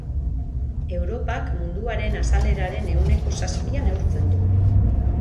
Europak munduaren azaleraren ehuneko zazpia neurtzen du.